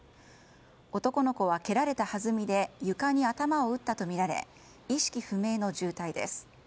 男の子は蹴られたはずみで床に頭を打ったとみられ意識不明の重体です。